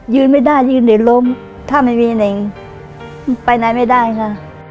ไม่ได้ยืนเด็กล้มถ้าไม่มีเน่งไปไหนไม่ได้ค่ะ